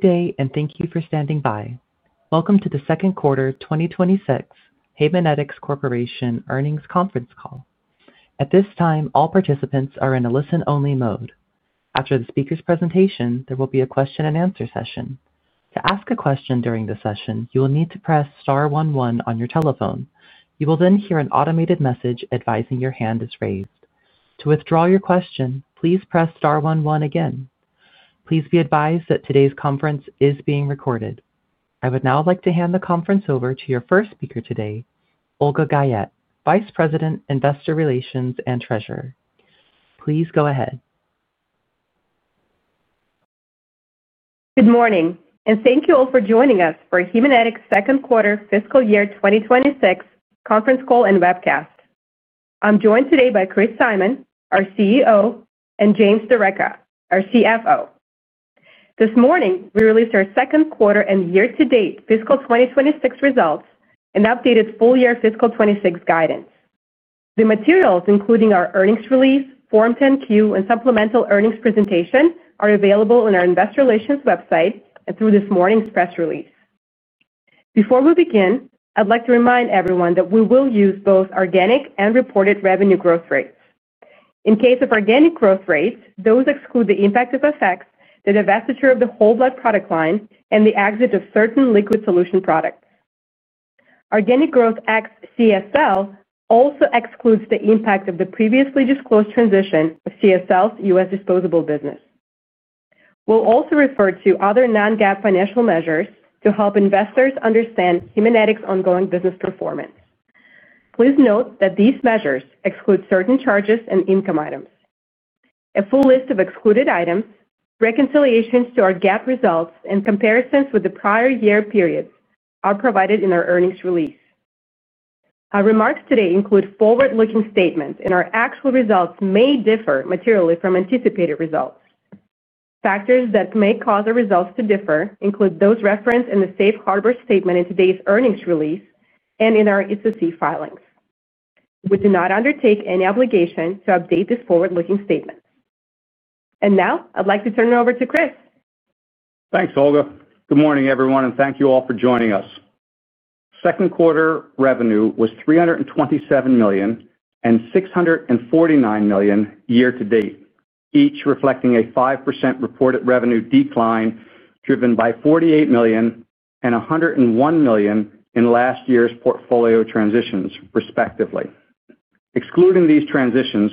Good day, and thank you for standing by. Welcome to the second quarter 2026 Haemonetics Corporation earnings conference call. At this time, all participants are in a listen-only mode. After the speaker's presentation, there will be a question-and-answer session. To ask a question during the session, you will need to press star 11 on your telephone. You will then hear an automated message advising your hand is raised. To withdraw your question, please press star 11 again. Please be advised that today's conference is being recorded. I would now like to hand the conference over to your first speaker today, Olga Guyette, Vice President, Investor Relations, and Treasurer. Please go ahead. Good morning, and thank you all for joining us for Haemonetics second quarter fiscal year 2026 conference call and webcast. I'm joined today by Chris Simon, our CEO, and James D'Arecca, our CFO. This morning, we released our second quarter and year-to-date fiscal 2026 results and updated full year fiscal 2026 guidance. The materials, including our earnings release, Form 10-Q, and supplemental earnings presentation, are available on our Investor Relations website and through this morning's press release. Before we begin, I'd like to remind everyone that we will use both organic and reported revenue growth rates. In case of organic growth rates, those exclude the impact of effects that divestiture of the whole blood product line and the exit of certain liquid solution products. Organic growth ex-CSL also excludes the impact of the previously disclosed transition of CSL's U.S. disposable business. We'll also refer to other non-GAAP financial measures to help investors understand Haemonetics' ongoing business performance. Please note that these measures exclude certain charges and income items. A full list of excluded items, reconciliations to our GAAP results, and comparisons with the prior year periods are provided in our earnings release. Our remarks today include forward-looking statements, and our actual results may differ materially from anticipated results. Factors that may cause our results to differ include those referenced in the safe harbor statement in today's earnings release and in our SEC filings. We do not undertake any obligation to update this forward-looking statement. Now, I'd like to turn it over to Chris. Thanks, Olga. Good morning, everyone, and thank you all for joining us. Second quarter revenue was $327 million and $649 million year-to-date, each reflecting a 5% reported revenue decline driven by $48 million and $101 million in last year's portfolio transitions, respectively. Excluding these transitions,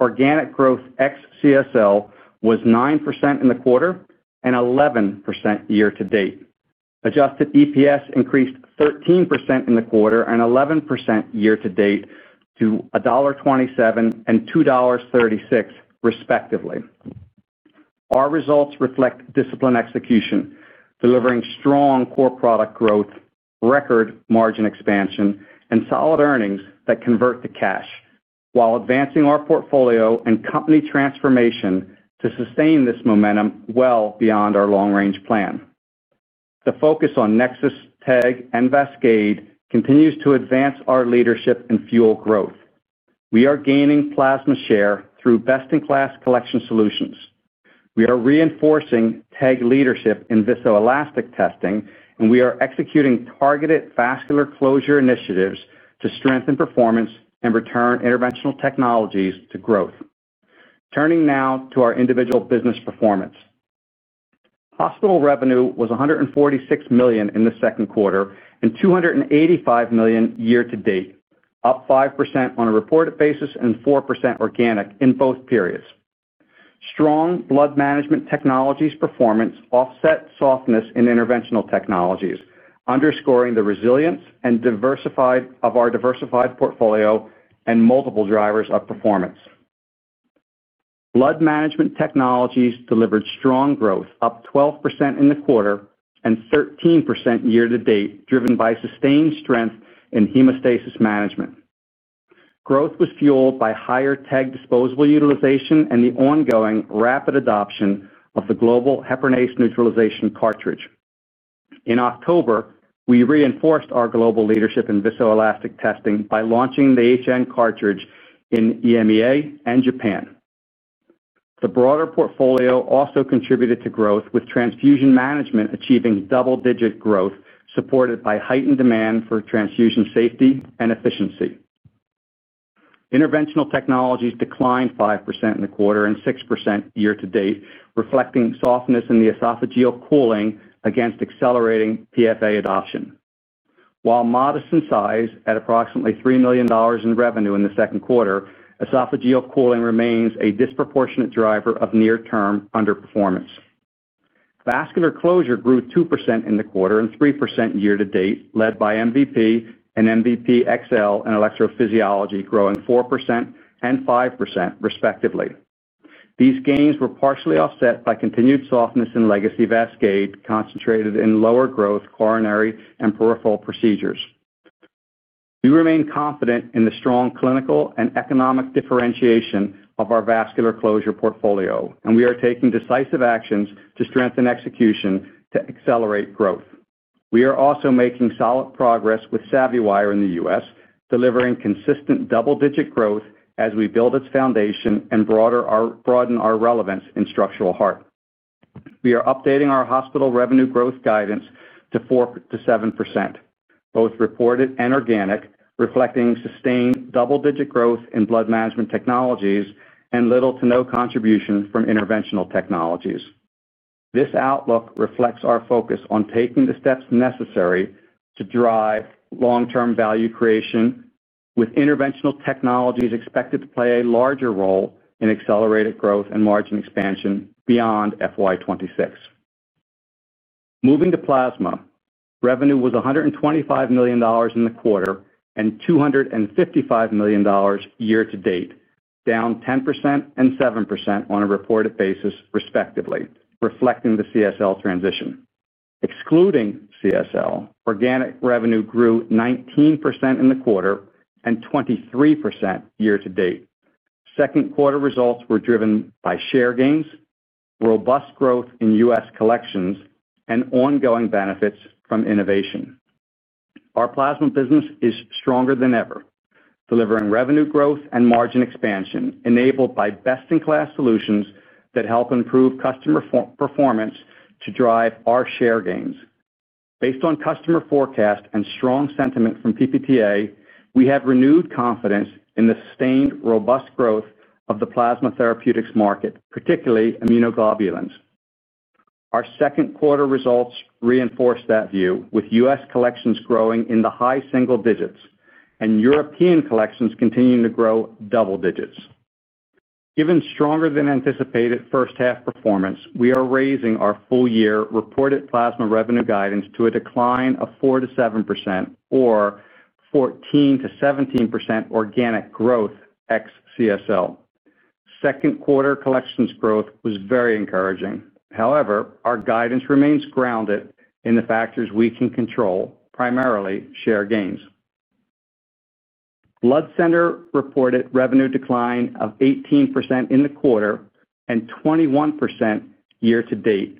organic growth ex-CSL was 9% in the quarter and 11% year-to-date. Adjusted EPS increased 13% in the quarter and 11% year-to-date to $1.27 and $2.36, respectively. Our results reflect disciplined execution, delivering strong core product growth, record margin expansion, and solid earnings that convert to cash, while advancing our portfolio and company transformation to sustain this momentum well beyond our long-range plan. The focus on NexSys, TEG, and VASCADE continues to advance our leadership and fuel growth. We are gaining plasma share through best-in-class collection solutions. We are reinforcing TEG leadership in viscoelastic testing, and we are executing targeted vascular closure initiatives to strengthen performance and return interventional technologies to growth. Turning now to our individual business performance. Hospital revenue was $146 million in the second quarter and $285 million year-to-date, up 5% on a reported basis and 4% organic in both periods. Strong blood management technologies performance offset softness in interventional technologies, underscoring the resilience and diversity of our diversified portfolio and multiple drivers of performance. Blood management technologies delivered strong growth, up 12% in the quarter and 13% year-to-date, driven by sustained strength in hemostasis management. Growth was fueled by higher TEG disposable utilization and the ongoing rapid adoption of the global heparinase neutralization cartridge. In October, we reinforced our global leadership in viscoelastic testing by launching the HN cartridge in EMEA and Japan. The broader portfolio also contributed to growth, with transfusion management achieving double-digit growth supported by heightened demand for transfusion safety and efficiency. Interventional technologies declined 5% in the quarter and 6% year-to-date, reflecting softness in the esophageal cooling against accelerating PFA adoption. While modest in size at approximately $3 million in revenue in the second quarter, esophageal cooling remains a disproportionate driver of near-term underperformance. Vascular closure grew 2% in the quarter and 3% year-to-date, led by MVP and MVP XL and electrophysiology growing 4% and 5%, respectively. These gains were partially offset by continued softness in legacy VASCADE, concentrated in lower growth coronary and peripheral procedures. We remain confident in the strong clinical and economic differentiation of our vascular closure portfolio, and we are taking decisive actions to strengthen execution to accelerate growth. We are also making solid progress with SavvyWire in the U.S., delivering consistent double-digit growth as we build its foundation and broaden our relevance in structural heart. We are updating our hospital revenue growth guidance to 4%-7%, both reported and organic, reflecting sustained double-digit growth in blood management technologies and little to no contribution from interventional technologies. This outlook reflects our focus on taking the steps necessary to drive long-term value creation, with interventional technologies expected to play a larger role in accelerated growth and margin expansion beyond FY 2026. Moving to plasma, revenue was $125 million in the quarter and $255 million year-to-date, down 10% and 7% on a reported basis, respectively, reflecting the CSL transition. Excluding CSL, organic revenue grew 19% in the quarter and 23% year-to-date. Second quarter results were driven by share gains, robust growth in U.S. collections, and ongoing benefits from innovation. Our plasma business is stronger than ever, delivering revenue growth and margin expansion enabled by best-in-class solutions that help improve customer performance to drive our share gains. Based on customer forecast and strong sentiment from PPTA, we have renewed confidence in the sustained robust growth of the plasma therapeutics market, particularly immunoglobulins. Our second quarter results reinforce that view, with U.S. collections growing in the high single digits and European collections continuing to grow double digits. Given stronger-than-anticipated first-half performance, we are raising our full year reported plasma revenue guidance to a decline of 4%-7% or 14%-17% organic growth ex-CSL. Second quarter collections growth was very encouraging. However, our guidance remains grounded in the factors we can control, primarily share gains. Blood center reported revenue decline of 18% in the quarter and 21% year-to-date,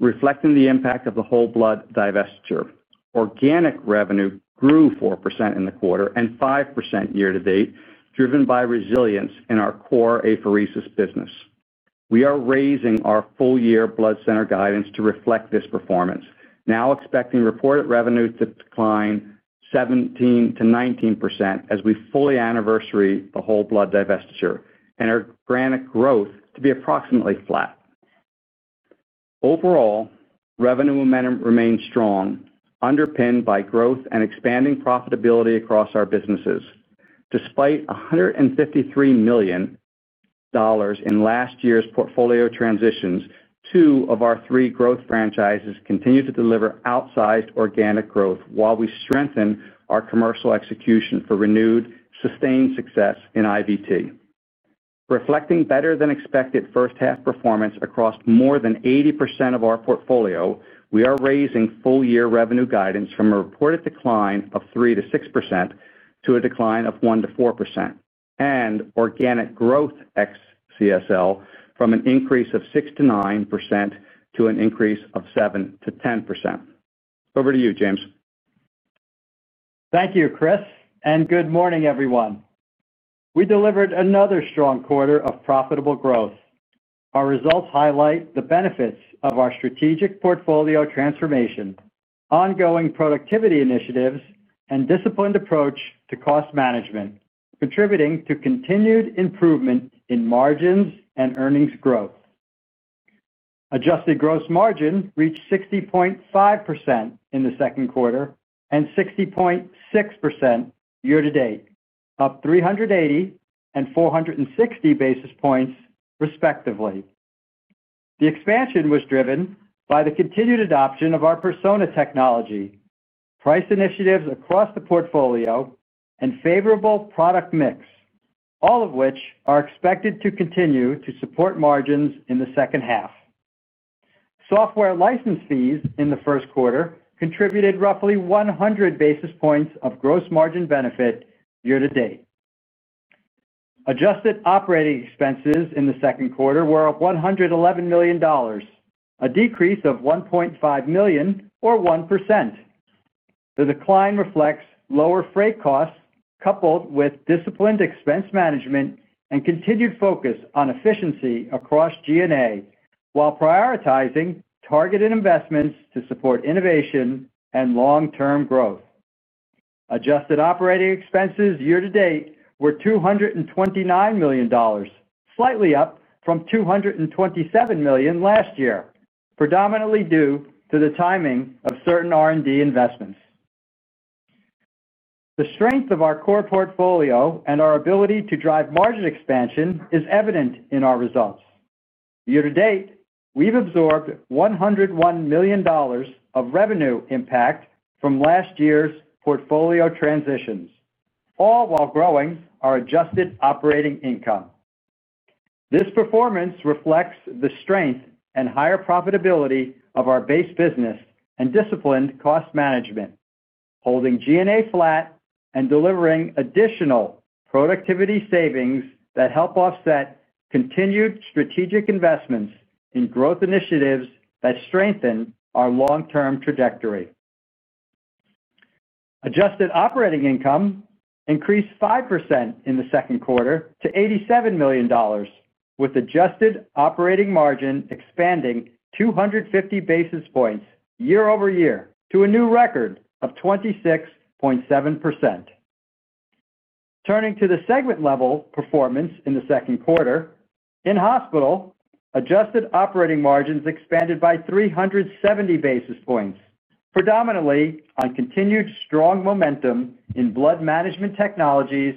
reflecting the impact of the whole blood divestiture. Organic revenue grew 4% in the quarter and 5% year-to-date, driven by resilience in our core apheresis business. We are raising our full year blood center guidance to reflect this performance, now expecting reported revenue to decline 17%-19% as we fully anniversary the whole blood divestiture and our organic growth to be approximately flat. Overall, revenue momentum remains strong, underpinned by growth and expanding profitability across our businesses. Despite $153 million in last year's portfolio transitions, two of our three growth franchises continue to deliver outsized organic growth while we strengthen our commercial execution for renewed sustained success in IVT. Reflecting better-than-expected first-half performance across more than 80% of our portfolio, we are raising full year revenue guidance from a reported decline of 3%-6% to a decline of 1%-4%, and organic growth ex-CSL from an increase of 6%-9% to an increase of 7%-10%. Over to you, James. Thank you, Chris, and good morning, everyone. We delivered another strong quarter of profitable growth. Our results highlight the benefits of our strategic portfolio transformation, ongoing productivity initiatives, and disciplined approach to cost management, contributing to continued improvement in margins and earnings growth. Adjusted gross margin reached 60.5% in the second quarter and 60.6% year-to-date, up 380 and 460 basis points, respectively. The expansion was driven by the continued adoption of our Persona technology, price initiatives across the portfolio, and favorable product mix, all of which are expected to continue to support margins in the second half. Software license fees in the first quarter contributed roughly 100 basis points of gross margin benefit year-to-date. Adjusted operating expenses in the second quarter were $111 million, a decrease of $1.5 million or 1%. The decline reflects lower freight costs coupled with disciplined expense management and continued focus on efficiency across G&A, while prioritizing targeted investments to support innovation and long-term growth. Adjusted operating expenses year-to-date were $229 million, slightly up from $227 million last year, predominantly due to the timing of certain R&D investments. The strength of our core portfolio and our ability to drive margin expansion is evident in our results. Year-to-date, we've absorbed $101 million of revenue impact from last year's portfolio transitions, all while growing our adjusted operating income. This performance reflects the strength and higher profitability of our base business and disciplined cost management, holding G&A flat and delivering additional productivity savings that help offset continued strategic investments in growth initiatives that strengthen our long-term trajectory. Adjusted operating income increased 5% in the second quarter to $87 million, with adjusted operating margin expanding 250 basis points year-over-year to a new record of 26.7%. Turning to the segment-level performance in the second quarter, in hospital, adjusted operating margins expanded by 370 basis points, predominantly on continued strong momentum in blood management technologies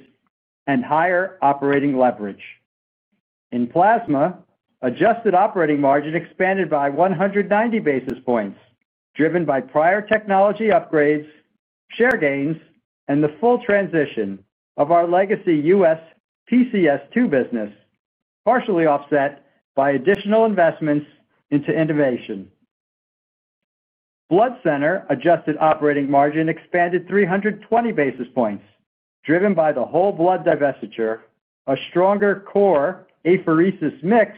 and higher operating leverage. In plasma, adjusted operating margin expanded by 190 basis points, driven by prior technology upgrades, share gains, and the full transition of our legacy U.S. PCS2 business, partially offset by additional investments into innovation. Blood center adjusted operating margin expanded 320 basis points, driven by the whole blood divestiture, a stronger core apheresis mix,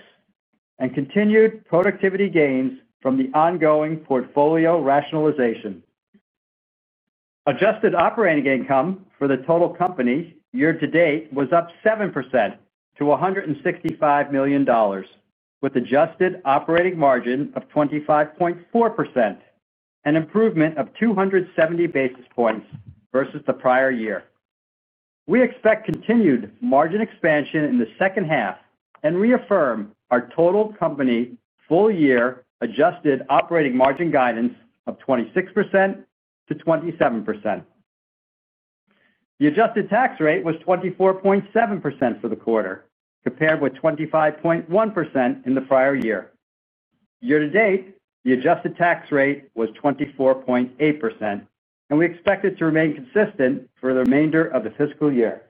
and continued productivity gains from the ongoing portfolio rationalization. Adjusted operating income for the total company year-to-date was up 7% to $165 million, with adjusted operating margin of 25.4%, an improvement of 270 basis points versus the prior year. We expect continued margin expansion in the second half and reaffirm our total company full year adjusted operating margin guidance of 26%-27%. The adjusted tax rate was 24.7% for the quarter, compared with 25.1% in the prior year. Year-to-date, the adjusted tax rate was 24.8%, and we expect it to remain consistent for the remainder of the fiscal year.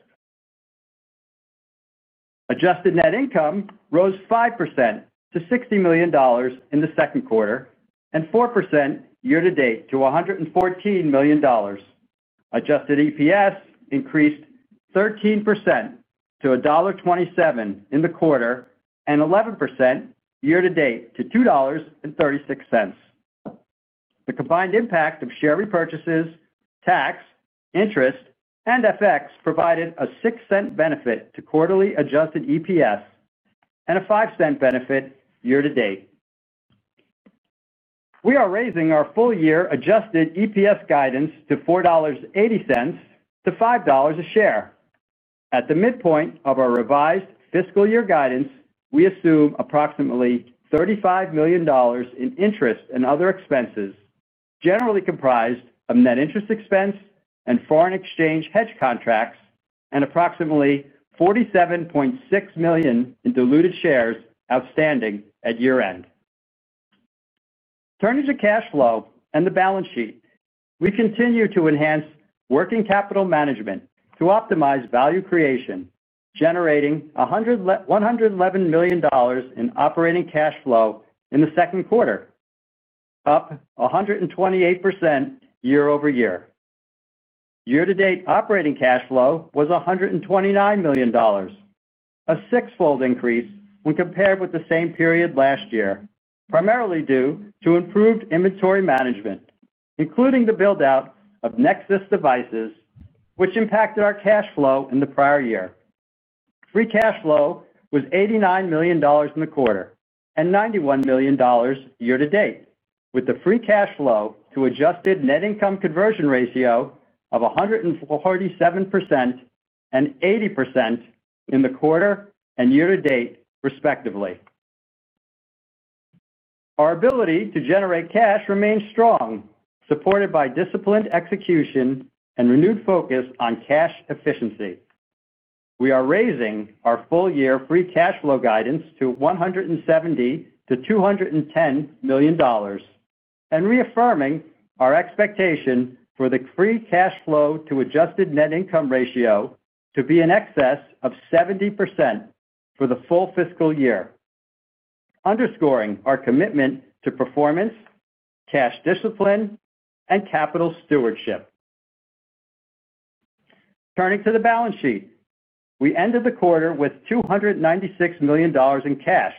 Adjusted net income rose 5% to $60 million in the second quarter and 4% year-to-date to $114 million. Adjusted EPS increased 13% to $1.27 in the quarter and 11% year-to-date to $2.36. The combined impact of share repurchases, tax, interest, and FX provided a $0.06 benefit to quarterly adjusted EPS and a $0.05 benefit year-to-date. We are raising our full year adjusted EPS guidance to $4.80-$5 a share. At the midpoint of our revised fiscal year guidance, we assume approximately $35 million in interest and other expenses, generally comprised of net interest expense and foreign exchange hedge contracts, and approximately 47.6 million in diluted shares outstanding at year-end. Turning to cash flow and the balance sheet, we continue to enhance working capital management to optimize value creation, generating $111 million in operating cash flow in the second quarter, up 128% year-over-year. Year-to-date operating cash flow was $129 million, a six-fold increase when compared with the same period last year, primarily due to improved inventory management, including the build-out of NexSys devices, which impacted our cash flow in the prior year. Free cash flow was $89 million in the quarter and $91 million year-to-date, with the free cash flow to adjusted net income conversion ratio of 147% and 80% in the quarter and year-to-date, respectively. Our ability to generate cash remains strong, supported by disciplined execution and renewed focus on cash efficiency. We are raising our full year free cash flow guidance to $170 million-$210 million and reaffirming our expectation for the free cash flow to adjusted net income ratio to be in excess of 70% for the full fiscal year, underscoring our commitment to performance, cash discipline, and capital stewardship. Turning to the balance sheet, we ended the quarter with $296 million in cash,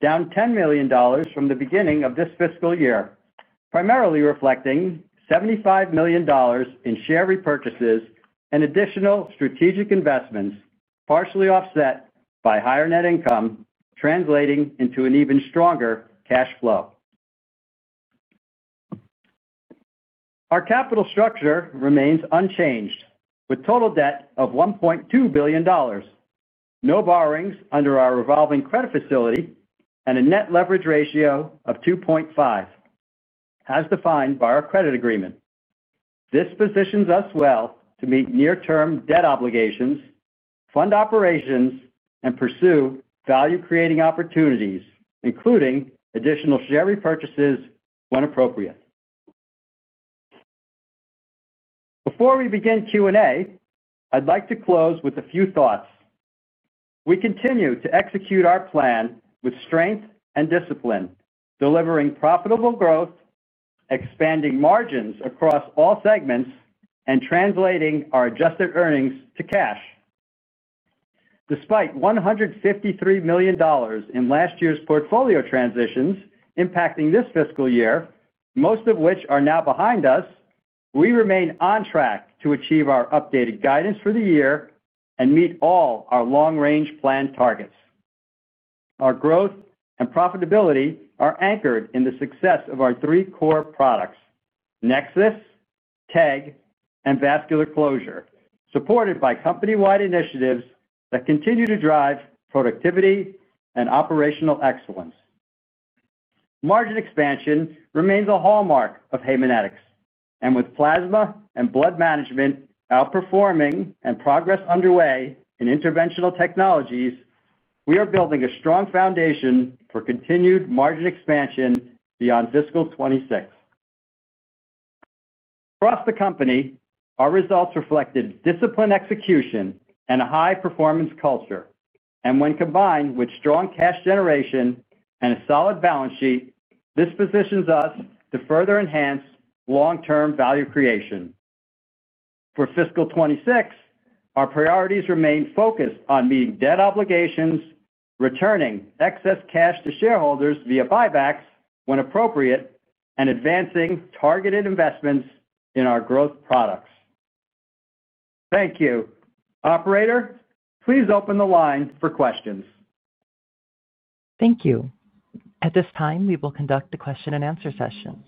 down $10 million from the beginning of this fiscal year, primarily reflecting $75 million in share repurchases and additional strategic investments, partially offset by higher net income, translating into an even stronger cash flow. Our capital structure remains unchanged, with total debt of $1.2 billion, no borrowings under our revolving credit facility, and a net leverage ratio of 2.5 as defined by our credit agreement. This positions us well to meet near-term debt obligations, fund operations, and pursue value-creating opportunities, including additional share repurchases when appropriate. Before we begin Q&A, I'd like to close with a few thoughts. We continue to execute our plan with strength and discipline, delivering profitable growth, expanding margins across all segments, and translating our adjusted earnings to cash. Despite $153 million in last year's portfolio transitions impacting this fiscal year, most of which are now behind us, we remain on track to achieve our updated guidance for the year and meet all our long-range planned targets. Our growth and profitability are anchored in the success of our three core products, NexSys, TEG, and vascular closure, supported by company-wide initiatives that continue to drive productivity and operational excellence. Margin expansion remains a hallmark of Haemonetics, and with plasma and blood management outperforming and progress underway in interventional technologies, we are building a strong foundation for continued margin expansion beyond fiscal 2026. Across the company, our results reflected disciplined execution and a high-performance culture, and when combined with strong cash generation and a solid balance sheet, this positions us to further enhance long-term value creation. For fiscal 2026, our priorities remain focused on meeting debt obligations, returning excess cash to shareholders via buybacks when appropriate, and advancing targeted investments in our growth products. Thank you. Operator, please open the line for questions. Thank you. At this time, we will conduct a question-and-answer session.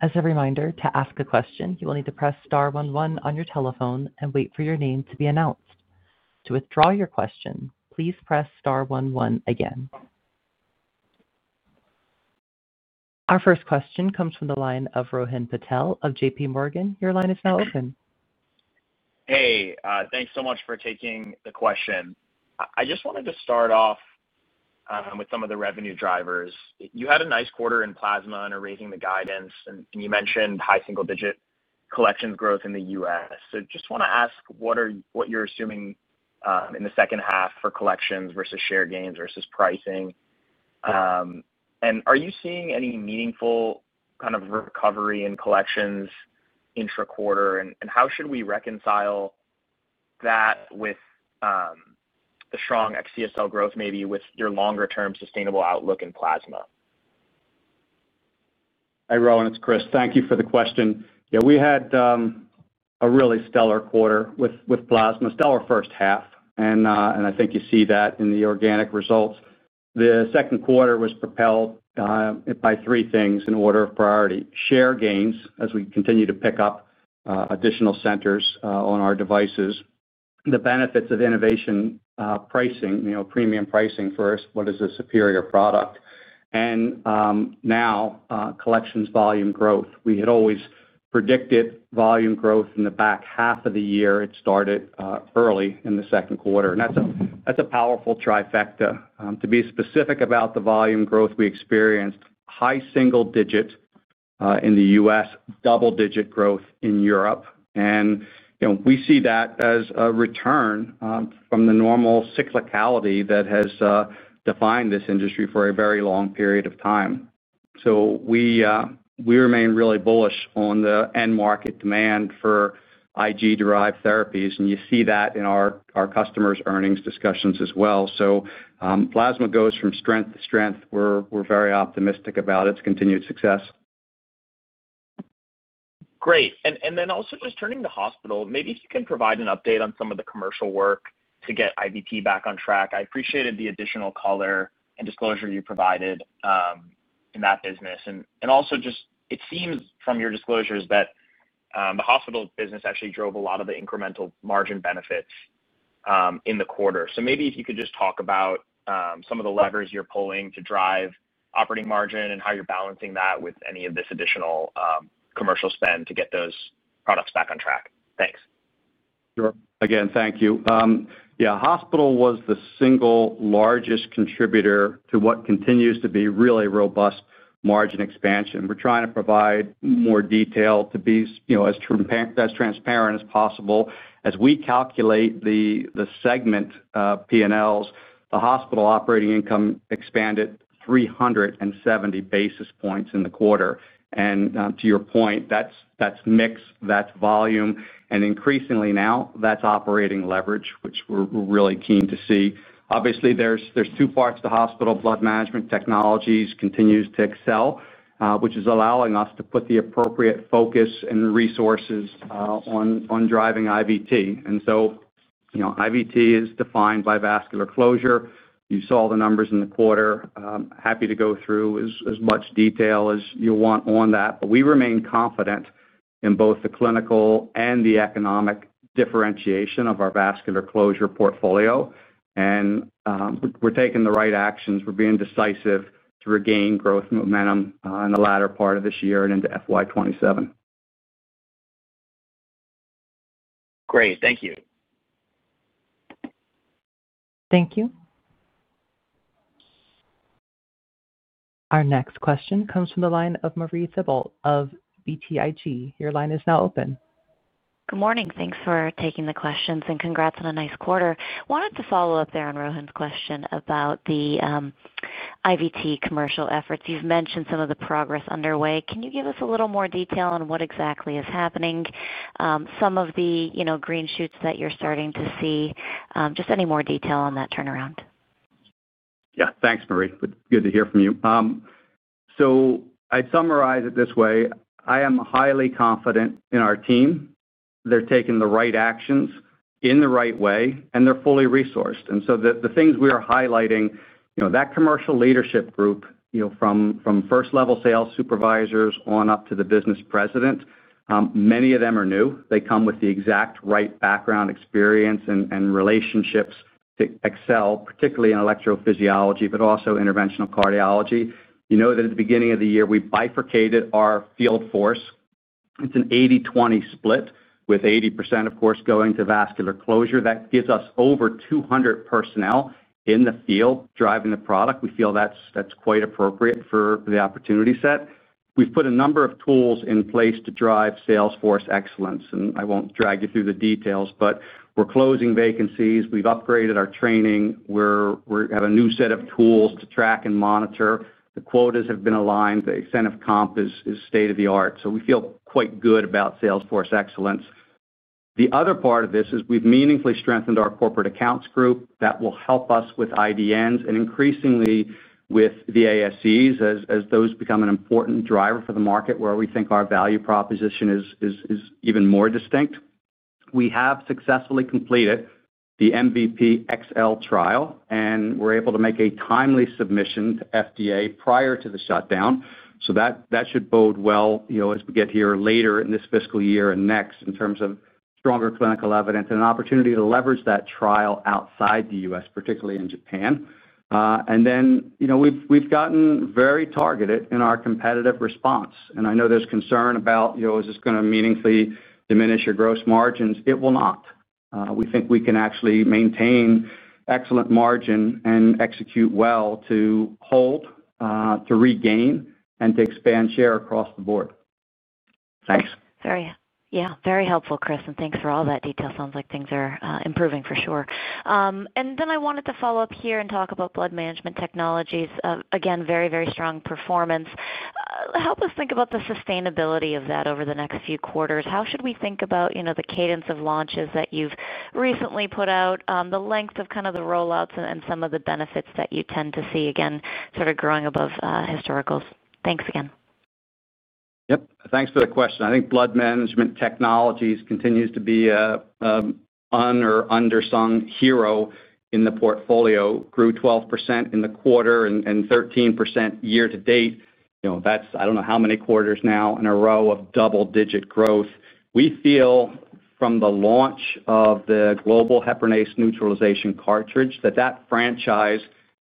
As a reminder, to ask a question, you will need to press star 1 1 on your telephone and wait for your name to be announced. To withdraw your question, please press star 1 1 again. Our first question comes from the line of Rohan Patel of JPMorgan. Your line is now open. Hey, thanks so much for taking the question. I just wanted to start off with some of the revenue drivers. You had a nice quarter in plasma and are raising the guidance, and you mentioned high single-digit collections growth in the U.S.. Just want to ask what you're assuming in the second half for collections versus share gains versus pricing. Are you seeing any meaningful kind of recovery in collections intra-quarter? How should we reconcile that with the strong ex-CSL growth, maybe with your longer-term sustainable outlook in plasma? Hey, Rowan, it's Chris. Thank you for the question. Yeah, we had a really stellar quarter with plasma, stellar first half, and I think you see that in the organic results. The second quarter was propelled by three things in order of priority: share gains, as we continue to pick up additional centers on our devices, the benefits of innovation pricing, premium pricing for what is a superior product, and now collections volume growth. We had always predicted volume growth in the back half of the year. It started early in the second quarter, and that's a powerful trifecta. To be specific about the volume growth, we experienced high single-digit in the U.S., double-digit growth in Europe, and we see that as a return from the normal cyclicality that has defined this industry for a very long period of time. We remain really bullish on the end-market demand for IG-derived therapies, and you see that in our customers' earnings discussions as well. Plasma goes from strength to strength. We're very optimistic about its continued success. Great. Also, just turning to hospital, maybe if you can provide an update on some of the commercial work to get IVT back on track. I appreciated the additional color and disclosure you provided in that business. Also, just it seems from your disclosures that the hospital business actually drove a lot of the incremental margin benefits in the quarter. Maybe if you could just talk about some of the levers you're pulling to drive operating margin and how you're balancing that with any of this additional commercial spend to get those products back on track. Thanks. Sure. Again, thank you. Yeah, hospital was the single largest contributor to what continues to be really robust margin expansion. We're trying to provide more detail to be as transparent as possible. As we calculate the segment P&Ls, the hospital operating income expanded 370 basis points in the quarter. To your point, that's mix, that's volume, and increasingly now that's operating leverage, which we're really keen to see. Obviously, there's two parts to hospital: blood management technologies continue to excel, which is allowing us to put the appropriate focus and resources on driving IVT. IVT is defined by vascular closure. You saw the numbers in the quarter. Happy to go through as much detail as you want on that, but we remain confident in both the clinical and the economic differentiation of our vascular closure portfolio. We're taking the right actions. We're being decisive to regain growth momentum in the latter part of this year and into FY 2027. Great. Thank you. Thank you. Our next question comes from the line of Marie Thibault of BTIG. Your line is now open. Good morning. Thanks for taking the questions and congrats on a nice quarter. Wanted to follow up there on Rohan's question about the IVT commercial efforts. You've mentioned some of the progress underway. Can you give us a little more detail on what exactly is happening? Some of the green shoots that you're starting to see, just any more detail on that turnaround. Yeah, thanks, Marie. Good to hear from you. I'd summarize it this way: I am highly confident in our team. They're taking the right actions in the right way, and they're fully resourced. The things we are highlighting, that commercial leadership group from first-level sales supervisors on up to the business president. Many of them are new. They come with the exact right background, experience, and relationships to excel, particularly in electrophysiology, but also interventional cardiology. You know that at the beginning of the year, we bifurcated our field force. It's an 80/20 split, with 80% going to vascular closure. That gives us over 200 personnel in the field driving the product. We feel that's quite appropriate for the opportunity set. We've put a number of tools in place to drive Salesforce excellence, and I won't drag you through the details, but we're closing vacancies, we've upgraded our training. We have a new set of tools to track and monitor. The quotas have been aligned. The extent of comp is state-of-the-art, so we feel quite good about Salesforce excellence. The other part of this is we've meaningfully strengthened our corporate accounts group that will help us with IDNs and increasingly with the ASCs as those become an important driver for the market where we think our value proposition is even more distinct. We have successfully completed the MVP XL trial, and we're able to make a timely submission to FDA prior to the shutdown. That should bode well as we get here later in this fiscal year and next in terms of stronger clinical evidence and an opportunity to leverage that trial outside the U.S., particularly in Japan. Then we've gotten very targeted in our competitive response. I know there's concern about, is this going to meaningfully diminish your gross margins? It will not. We think we can actually maintain excellent margin and execute well to hold, to regain, and to expand share across the board. Thanks. Yeah, very helpful, Chris, and thanks for all that detail. Sounds like things are improving for sure. I wanted to follow up here and talk about blood management technologies. Again, very, very strong performance. Help us think about the sustainability of that over the next few quarters. How should we think about the cadence of launches that you've recently put out, the length of kind of the rollouts, and some of the benefits that you tend to see, again, sort of growing above historicals? Thanks again. Yep. Thanks for the question. I think blood management technologies continues to be an under-sung hero in the portfolio. Grew 12% in the quarter and 13% year to date. That's, I don't know how many quarters now in a row of double-digit growth. We feel from the launch of the global heparinase neutralization cartridge that that franchise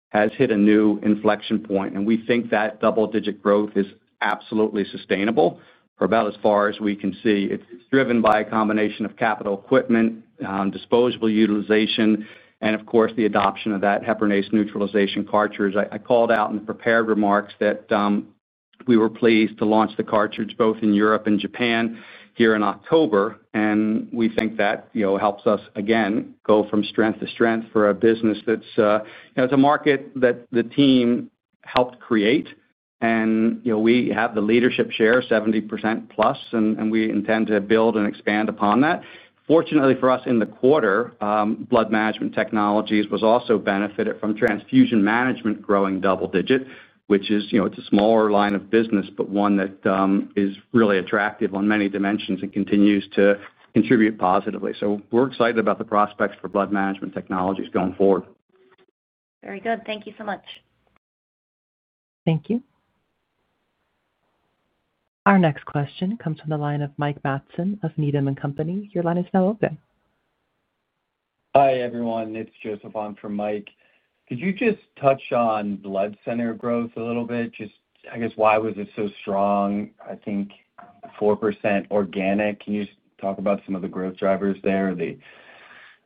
has hit a new inflection point, and we think that double-digit growth is absolutely sustainable for about as far as we can see. It's driven by a combination of capital equipment, disposable utilization, and of course, the adoption of that heparinase neutralization cartridge. I called out in the prepared remarks that we were pleased to launch the cartridge both in Europe and Japan here in October, and we think that helps us, again, go from strength to strength for a business that's a market that the team helped create. We have the leadership share, 70% plus, and we intend to build and expand upon that. Fortunately for us in the quarter, blood management technologies was also benefited from transfusion management growing double-digit, which is a smaller line of business, but one that is really attractive on many dimensions and continues to contribute positively. We are excited about the prospects for blood management technologies going forward. Very good. Thank you so much. Thank you. Our next question comes from the line of Mike Matson of Needham & Company. Your line is now open. Hi everyone. It's Joseph on for Mike. Could you just touch on blood center growth a little bit? Just, I guess, why was it so strong? I think 4% organic. Can you just talk about some of the growth drivers there?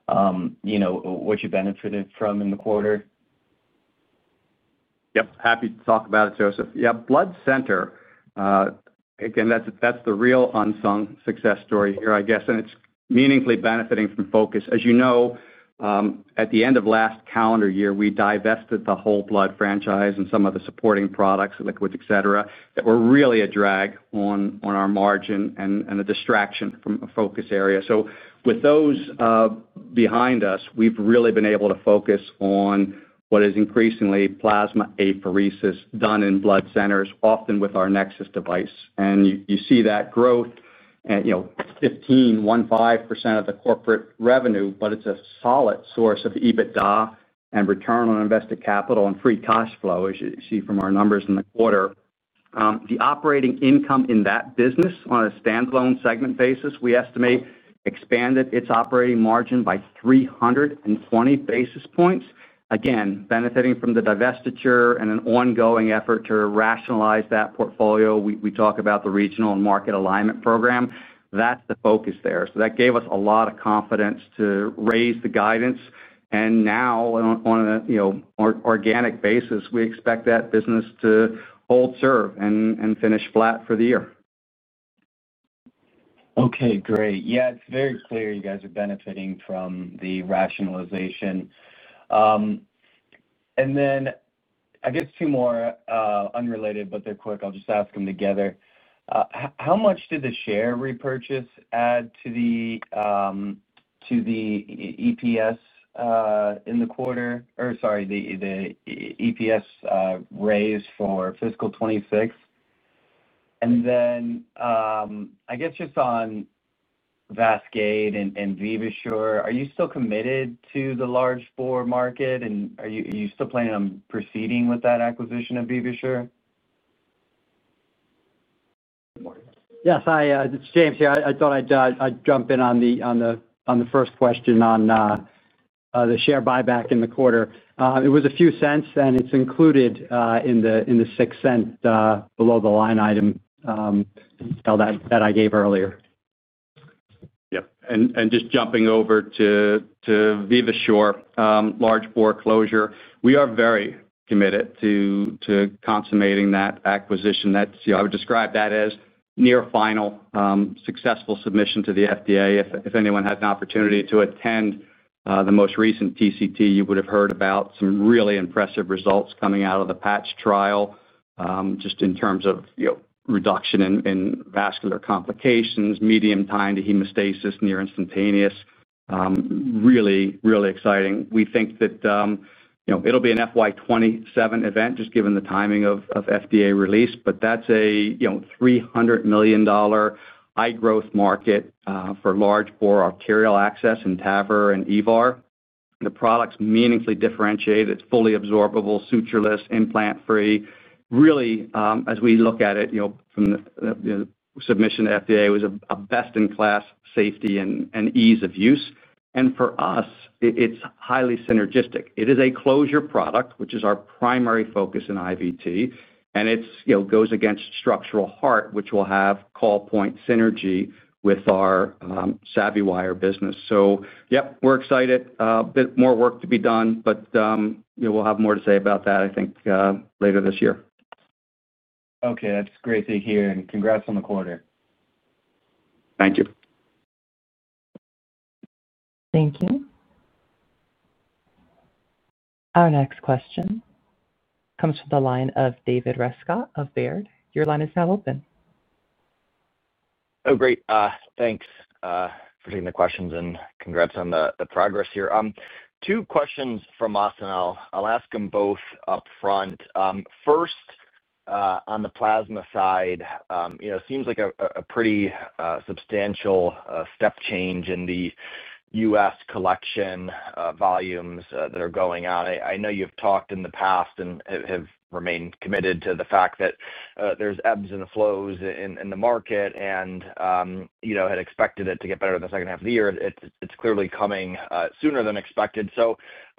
What you benefited from in the quarter? Yep. Happy to talk about it, Joseph. Yeah, blood center. Again, that's the real unsung success story here, I guess, and it's meaningfully benefiting from focus. As you know. At the end of last calendar year, we divested the whole blood franchise and some of the supporting products, liquids, etc., that were really a drag on our margin and a distraction from a focus area. With those behind us, we've really been able to focus on what is increasingly plasma apheresis done in blood centers, often with our NexSys device. You see that growth. 15% of the corporate revenue, but it's a solid source of EBITDA and return on invested capital and free cash flow, as you see from our numbers in the quarter. The operating income in that business on a standalone segment basis, we estimate expanded its operating margin by 320 basis points. Again, benefiting from the divestiture and an ongoing effort to rationalize that portfolio. We talk about the regional and market alignment program. That is the focus there. That gave us a lot of confidence to raise the guidance. Now, on an organic basis, we expect that business to hold, serve, and finish flat for the year. Okay, great. Yeah, it's very clear you guys are benefiting from the rationalization. I guess two more unrelated, but they're quick. I'll just ask them together. How much did the share repurchase add to the EPS in the quarter? Or sorry, the EPS raise for fiscal 2026? I guess just on VASCADE and Vivasure, are you still committed to the large bore market? And are you still planning on proceeding with that acquisition of Vivasure? Yes, hi. It's James here. I thought I'd jump in on the first question on the share buyback in the quarter. It was a few cents, and it's included in the $0.06 below the line item detail that I gave earlier. Yep. Just jumping over to Vivasure, large bore closure, we are very committed to consummating that acquisition. I would describe that as near final. Successful submission to the FDA. If anyone had an opportunity to attend the most recent TCT, you would have heard about some really impressive results coming out of the PATCH trial, just in terms of reduction in vascular complications, median time to hemostasis, near instantaneous. Really, really exciting. We think that it will be an FY 2027 event, just given the timing of FDA release, but that is a $300 million high-growth market for large bore arterial access in TAVR and EVAR. The product is meaningfully differentiated. It is fully absorbable, suture-less, implant-free. Really, as we look at it from the submission to FDA, it was a best-in-class safety and ease of use. For us, it is highly synergistic. It is a closure product, which is our primary focus in IVT, and it goes against structural heart, which will have call point synergy with our SavvyWire business. Yep, we're excited. A bit more work to be done, but we'll have more to say about that, I think, later this year. Okay. That's great to hear. Congrats on the quarter. Thank you. Thank you. Our next question comes from the line of David Rescott of Baird. Your line is now open. Oh, great. Thanks for taking the questions and congrats on the progress here. Two questions from us, and I'll ask them both upfront. First, on the plasma side, it seems like a pretty substantial step change in the U.S. collection volumes that are going on. I know you've talked in the past and have remained committed to the fact that there's ebbs and flows in the market, and had expected it to get better in the second half of the year. It's clearly coming sooner than expected.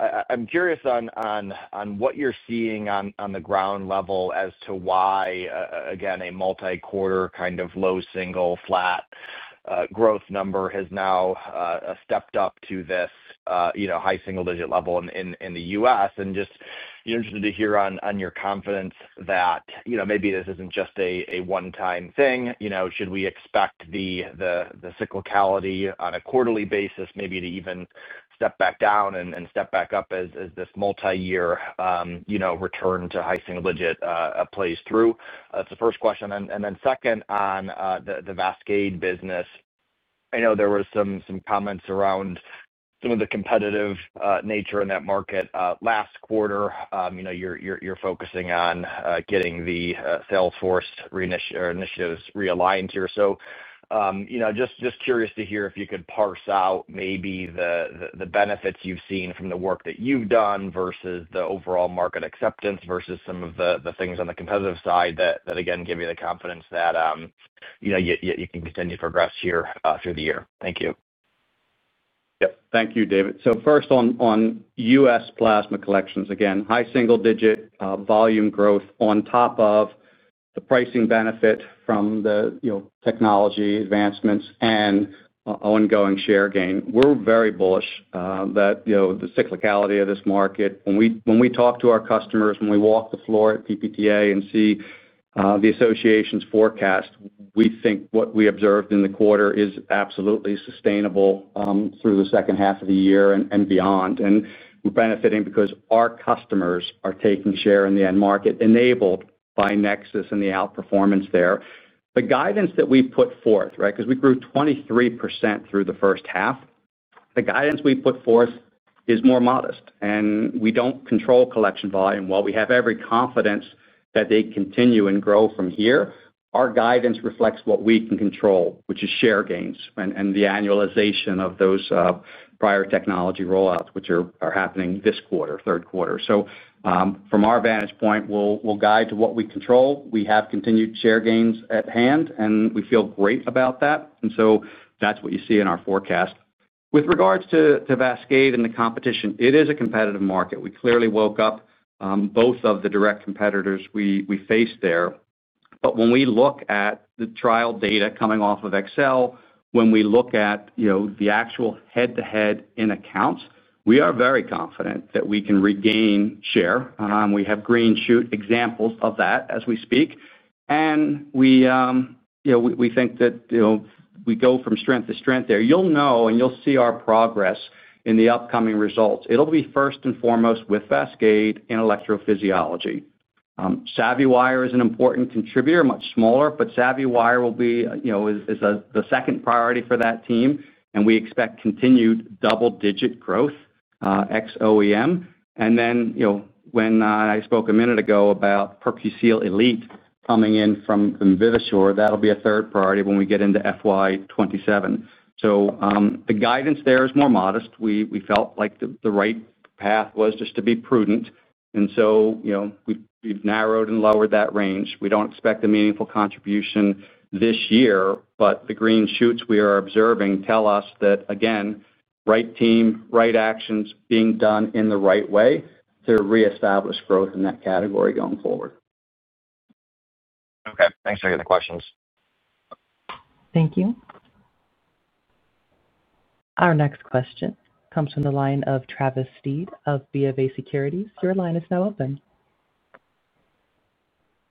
I'm curious on what you're seeing on the ground level as to why, again, a multi-quarter kind of low single flat growth number has now stepped up to this high single digit level in the U.S.. Just interested to hear on your confidence that maybe this isn't just a one-time thing. Should we expect the cyclicality on a quarterly basis, maybe to even step back down and step back up as this multi-year return to high single digit plays through? That's the first question. Then second, on the VASCADE business. I know there were some comments around some of the competitive nature in that market last quarter. You're focusing on getting the Salesforce initiatives realigned here. Just curious to hear if you could parse out maybe the benefits you've seen from the work that you've done versus the overall market acceptance versus some of the things on the competitive side that, again, give you the confidence that you can continue to progress here through the year. Thank you. Yep. Thank you, David. First, on U.S. plasma collections, again, high single digit volume growth on top of the pricing benefit from the technology advancements and ongoing share gain. We're very bullish that the cyclicality of this market, when we talk to our customers, when we walk the floor at PPTA and see the association's forecast, we think what we observed in the quarter is absolutely sustainable through the second half of the year and beyond. We're benefiting because our customers are taking share in the end market enabled by NexSys and the outperformance there. The guidance that we put forth, right, because we grew 23% through the first half, the guidance we put forth is more modest. We don't control collection volume. While we have every confidence that they continue and grow from here, our guidance reflects what we can control, which is share gains and the annualization of those prior technology rollouts, which are happening this quarter, third quarter. From our vantage point, we will guide to what we control. We have continued share gains at hand, and we feel great about that. That is what you see in our forecast. With regards to VASCADE and the competition, it is a competitive market. We clearly woke up both of the direct competitors we face there. When we look at the trial data coming off of MVP XL, when we look at the actual head-to-head in accounts, we are very confident that we can regain share. We have green shoot examples of that as we speak. We think that we go from strength to strength there. You'll know, and you'll see our progress in the upcoming results. It'll be first and foremost with VASCADE in electrophysiology. SavvyWire is an important contributor, much smaller, but SavvyWire will be the second priority for that team. We expect continued double-digit growth, ex-OEM. When I spoke a minute ago about PerQseal Elite coming in from Vivasure, that'll be a third priority when we get into FY 2027. The guidance there is more modest. We felt like the right path was just to be prudent, and we've narrowed and lowered that range. We don't expect a meaningful contribution this year, but the green shoots we are observing tell us that, again, right team, right actions being done in the right way to reestablish growth in that category going forward. Okay. Thanks for the questions. Thank you. Our next question comes from the line of Travis Steed of BofA Securities. Your line is now open.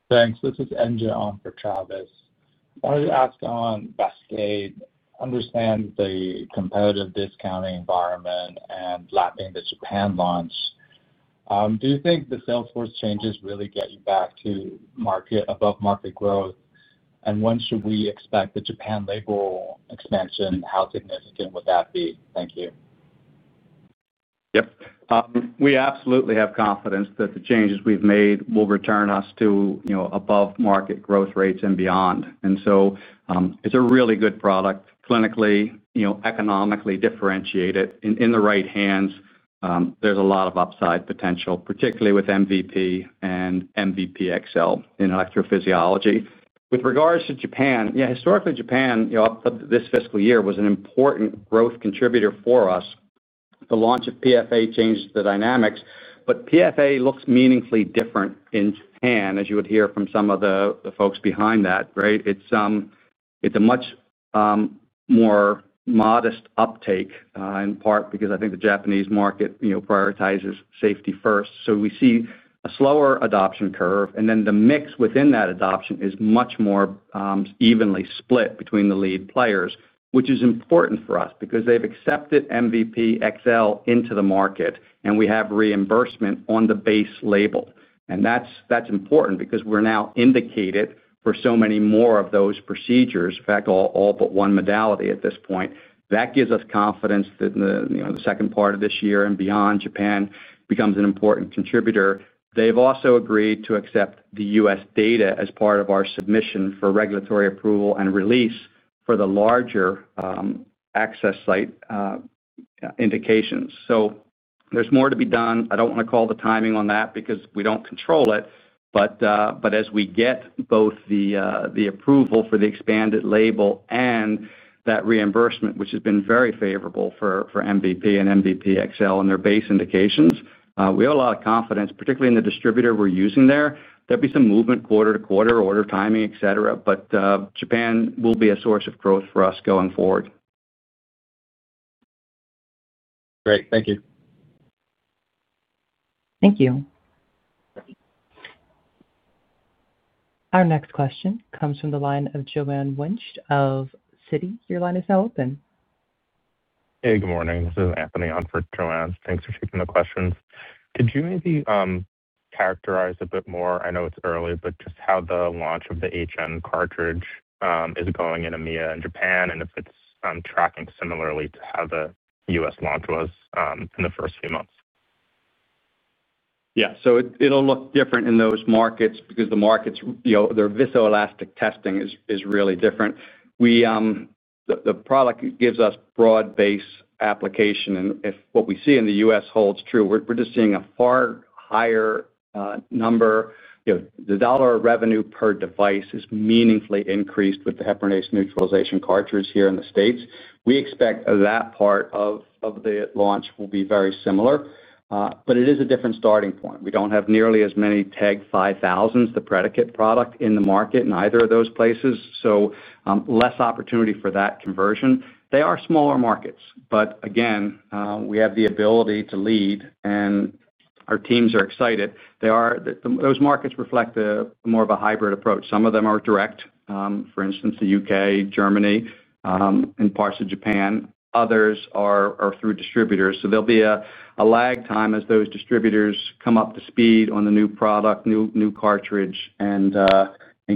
Thanks. This is [Enjoe] on for Travis. I wanted to ask on VASCADE, understand the competitive discounting environment and lapping the Japan launch. Do you think the Salesforce changes really get you back to above market growth? When should we expect the Japan label expansion? How significant would that be? Thank you. Yep. We absolutely have confidence that the changes we've made will return us to above market growth rates and beyond. It's a really good product, clinically, economically differentiated. In the right hands, there's a lot of upside potential, particularly with MVP and MVP XL in electrophysiology. With regards to Japan, yeah, historically, Japan, this fiscal year was an important growth contributor for us. The launch of PFA changes the dynamics, but PFA looks meaningfully different in Japan, as you would hear from some of the folks behind that, right? It's a much more modest uptake, in part because I think the Japanese market prioritizes safety first. We see a slower adoption curve, and then the mix within that adoption is much more. Evenly split between the lead players, which is important for us because they've accepted MVP XL into the market, and we have reimbursement on the base label. That is important because we're now indicated for so many more of those procedures, in fact, all but one modality at this point. That gives us confidence that the second part of this year and beyond, Japan becomes an important contributor. They've also agreed to accept the U.S. data as part of our submission for regulatory approval and release for the larger access site indications. There is more to be done. I do not want to call the timing on that because we do not control it. As we get both the approval for the expanded label and that reimbursement, which has been very favorable for MVP and MVP XL and their base indications, we have a lot of confidence, particularly in the distributor we are using there. There will be some movement quarter to quarter, order timing, etc., but Japan will be a source of growth for us going forward. Great. Thank you. Thank you. Our next question comes from the line of Joanne Wuensch of Citi. Your line is now open. Hey, good morning. This is Anthony on for Joanne. Thanks for taking the questions. Could you maybe characterize a bit more? I know it's early, but just how the launch of the HN cartridge is going in EMEA and Japan, and if it's tracking similarly to how the U.S. launch was in the first few months. Yeah. It'll look different in those markets because the markets, their viscoelastic testing is really different. The product gives us broad-based application. If what we see in the U.S. holds true, we're just seeing a far higher number. The dollar revenue per device is meaningfully increased with the heparinase neutralization cartridges here in the States. We expect that part of the launch will be very similar, but it is a different starting point. We do not have nearly as many TEG 5000s, the predicate product, in the market in either of those places. Less opportunity for that conversion. They are smaller markets, but again, we have the ability to lead, and our teams are excited. Those markets reflect more of a hybrid approach. Some of them are direct, for instance, the U.K., Germany, and parts of Japan. Others are through distributors. There'll be a lag time as those distributors come up to speed on the new product, new cartridge, and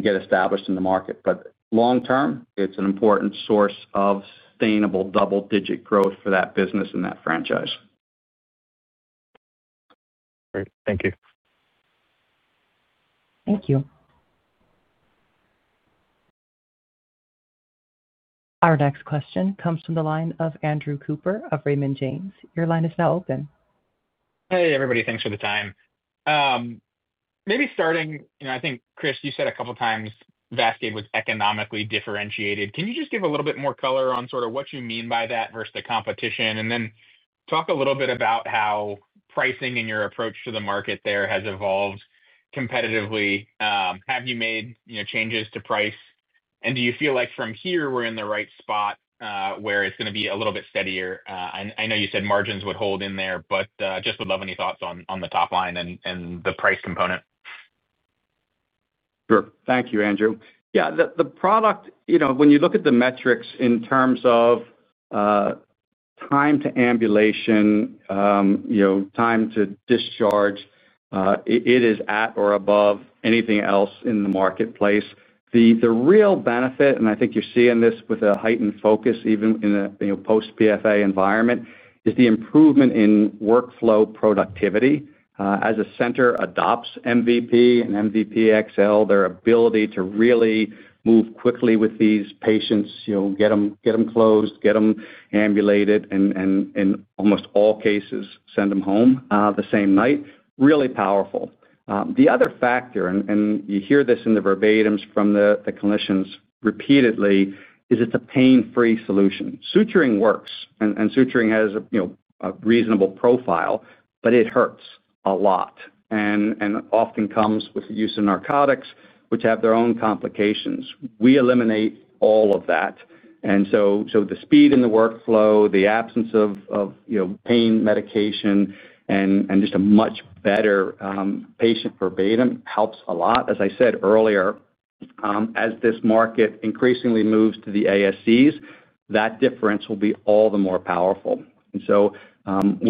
get established in the market. Long-term, it's an important source of sustainable double-digit growth for that business and that franchise. Great. Thank you. Thank you. Our next question comes from the line of Andrew Cooper of Raymond James. Your line is now open. Hey, everybody. Thanks for the time. Maybe starting, I think, Chris, you said a couple of times VASCADE was economically differentiated. Can you just give a little bit more color on sort of what you mean by that versus the competition? Can you talk a little bit about how pricing and your approach to the market there has evolved competitively? Have you made changes to price? Do you feel like from here, we're in the right spot where it's going to be a little bit steadier? I know you said margins would hold in there, but I just would love any thoughts on the top line and the price component. Sure. Thank you, Andrew. Yeah. The product, when you look at the metrics in terms of time to ambulation, time to discharge, it is at or above anything else in the marketplace. The real benefit, and I think you're seeing this with a heightened focus even in a post-PFA environment, is the improvement in workflow productivity. As a center adopts MVP and MVP XL, their ability to really move quickly with these patients, get them closed, get them ambulated, and in almost all cases, send them home the same night, really powerful. The other factor, and you hear this in the verbatims from the clinicians repeatedly, is it's a pain-free solution. Suturing works, and suturing has a reasonable profile, but it hurts a lot and often comes with the use of narcotics, which have their own complications. We eliminate all of that. The speed in the workflow, the absence of pain medication, and just a much better patient verbatim helps a lot. As I said earlier, as this market increasingly moves to the ASCs, that difference will be all the more powerful. We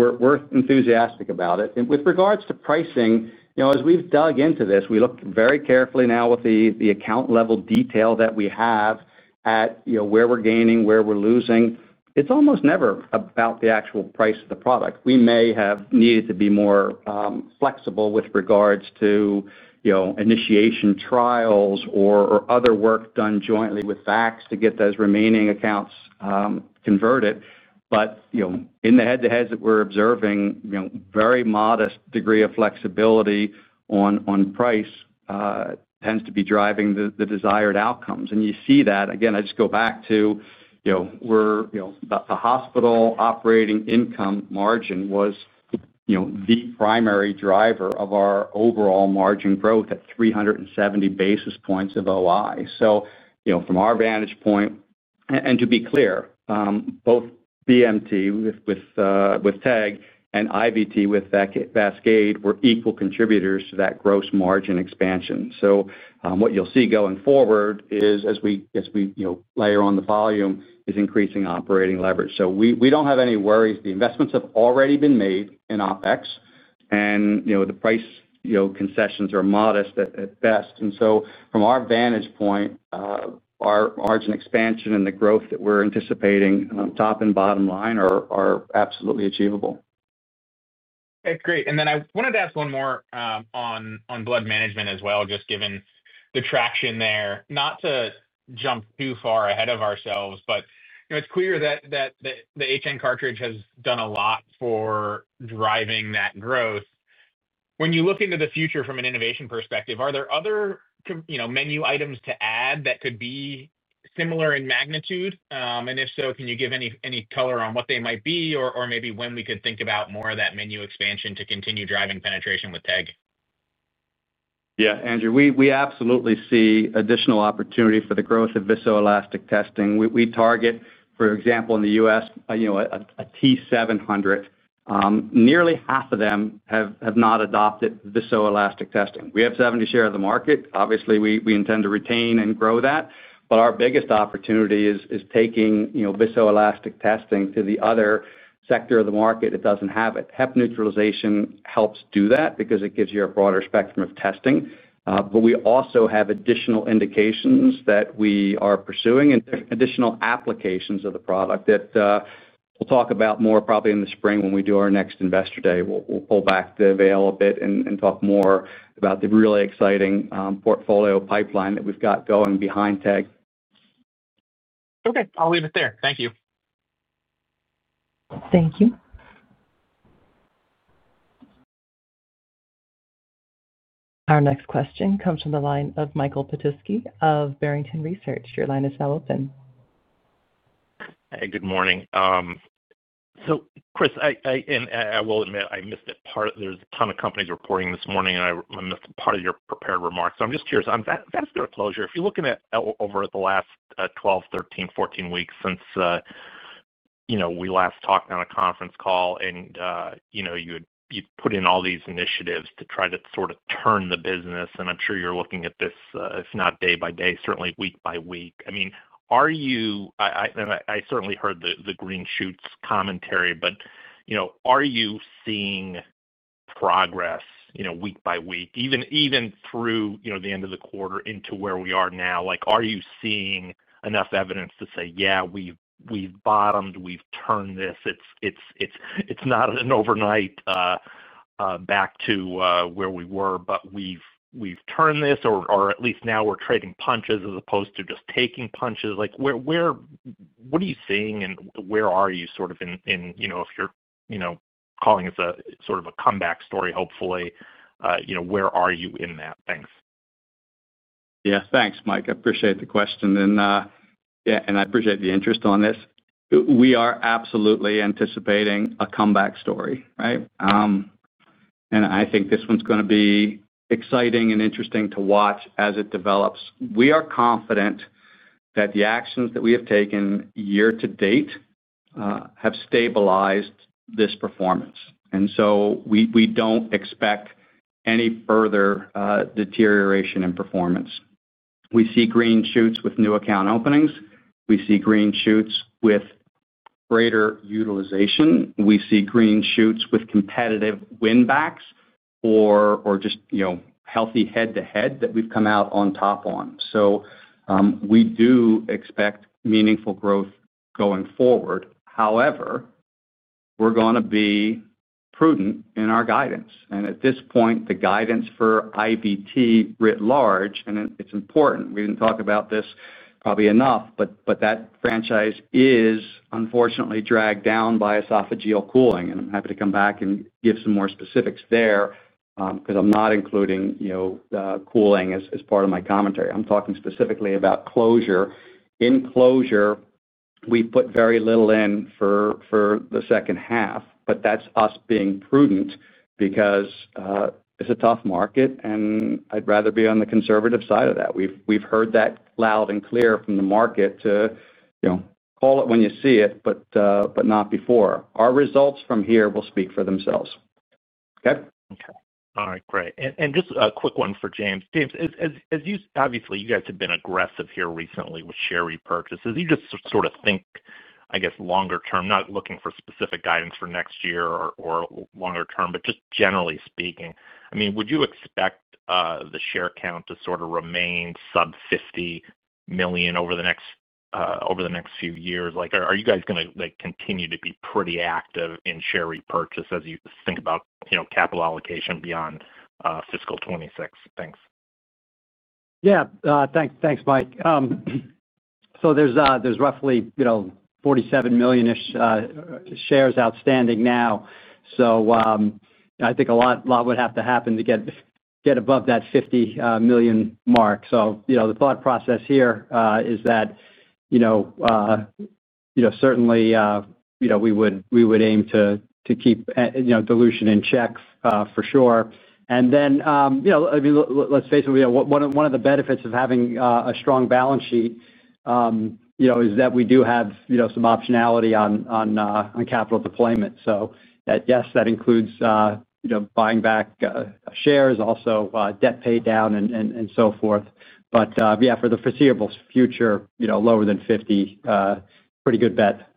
are enthusiastic about it. With regards to pricing, as we have dug into this, we look very carefully now with the account level detail that we have at where we are gaining, where we are losing. It is almost never about the actual price of the product. We may have needed to be more flexible with regards to initiation trials or other work done jointly with VACs to get those remaining accounts converted. In the head-to-heads that we are observing, a very modest degree of flexibility on price tends to be driving the desired outcomes. You see that, again, I just go back to the hospital operating income margin was. The primary driver of our overall margin growth at 370 basis points of OI. From our vantage point, and to be clear, both BMT with TEG and IVT with VASCADE were equal contributors to that gross margin expansion. What you'll see going forward is, as we layer on the volume, is increasing operating leverage. We don't have any worries. The investments have already been made in OpEx, and the price concessions are modest at best. From our vantage point, our margin expansion and the growth that we're anticipating, top and bottom line, are absolutely achievable. Okay. Great. I wanted to ask one more on blood management as well, just given the traction there. Not to jump too far ahead of ourselves, but it's clear that the HN cartridge has done a lot for driving that growth. When you look into the future from an innovation perspective, are there other menu items to add that could be similar in magnitude? If so, can you give any color on what they might be or maybe when we could think about more of that menu expansion to continue driving penetration with TEG? Yeah, Andrew. We absolutely see additional opportunity for the growth of viscoelastic testing. We target, for example, in the U.S., a [T700]. Nearly half of them have not adopted viscoelastic testing. We have 70% share of the market. Obviously, we intend to retain and grow that. Our biggest opportunity is taking viscoelastic testing to the other sector of the market that does not have it. Hep neutralization helps do that because it gives you a broader spectrum of testing. We also have additional indications that we are pursuing and additional applications of the product. We'll talk about more probably in the spring when we do our next investor day. We'll pull back the veil a bit and talk more about the really exciting portfolio pipeline that we've got going behind TEG. Okay. I'll leave it there. Thank you. Thank you. Our next question comes from the line of Michael Petusky of Barrington Research. Your line is now open. Hey, good morning. Chris, and I will admit I missed it. There's a ton of companies reporting this morning, and I missed part of your prepared remarks. I'm just curious. That's a good closure. If you're looking over at the last 12, 13, 14 weeks since we last talked on a conference call and you put in all these initiatives to try to sort of turn the business, and I'm sure you're looking at this, if not day by day, certainly week by week. I mean, are you—and I certainly heard the green shoots commentary—but are you seeing progress week by week, even through the end of the quarter into where we are now? Are you seeing enough evidence to say, "Yeah, we've bottomed. We've turned this. It's not an overnight. Back to where we were, but we've turned this, or at least now we're trading punches as opposed to just taking punches? What are you seeing and where are you sort of in if you're calling this sort of a comeback story, hopefully, where are you in that? Thanks. Yeah. Thanks, Mike. I appreciate the question. I appreciate the interest on this. We are absolutely anticipating a comeback story, right? I think this one's going to be exciting and interesting to watch as it develops. We are confident that the actions that we have taken year to date have stabilized this performance. We do not expect any further deterioration in performance. We see green shoots with new account openings. We see green shoots with greater utilization. We see green shoots with competitive win-backs or just healthy head-to-head that we've come out on top on. We do expect meaningful growth going forward. However, we are going to be prudent in our guidance. At this point, the guidance for IVT writ large, and it's important, we did not talk about this probably enough, but that franchise is unfortunately dragged down by esophageal cooling. I'm happy to come back and give some more specifics there because I'm not including cooling as part of my commentary. I'm talking specifically about closure. In closure, we put very little in for the second half, but that's us being prudent because it's a tough market, and I'd rather be on the conservative side of that. We've heard that loud and clear from the market too. Call it when you see it, but not before. Our results from here will speak for themselves. Okay? Okay. All right. Great. And just a quick one for James. James, obviously, you guys have been aggressive here recently with share repurchases. You just sort of think, I guess, longer term, not looking for specific guidance for next year or longer term, but just generally speaking. I mean, would you expect the share count to sort of remain sub-50 million over the next few years? Are you guys going to continue to be pretty active in share repurchase as you think about capital allocation beyond fiscal 2026? Thanks. Yeah. Thanks, Mike. So there's roughly 47 million-ish shares outstanding now. I think a lot would have to happen to get above that 50 million mark. The thought process here is that certainly we would aim to keep dilution in check for sure. I mean, let's face it, one of the benefits of having a strong balance sheet is that we do have some optionality on capital deployment. Yes, that includes buying back shares, also debt paid down, and so forth. For the foreseeable future, lower than 50 million, pretty good bet.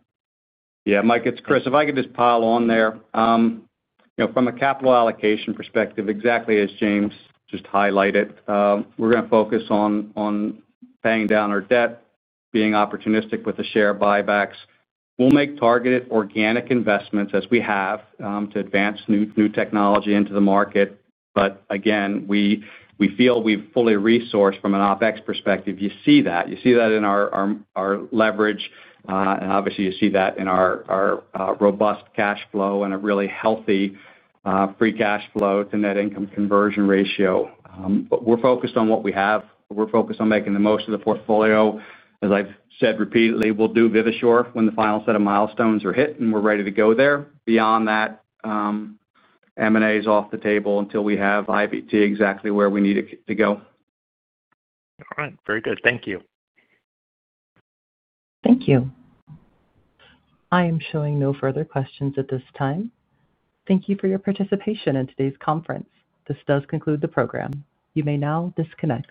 Yeah. Mike, it's Chris. If I could just pile on there. From a capital allocation perspective, exactly as James just highlighted, we're going to focus on paying down our debt, being opportunistic with the share buybacks. We'll make targeted organic investments as we have to advance new technology into the market. Again, we feel we've fully resourced from an OpEx perspective. You see that. You see that in our leverage. Obviously, you see that in our robust cash flow and a really healthy free cash flow to net income conversion ratio. We're focused on what we have. We're focused on making the most of the portfolio. As I've said repeatedly, we'll do Vivasure when the final set of milestones are hit, and we're ready to go there. Beyond that, M&A is off the table until we have IVT exactly where we need it to go. All right. Very good. Thank you. Thank you. I am showing no further questions at this time. Thank you for your participation in today's conference. This does conclude the program. You may now disconnect.